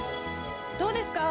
どうですか？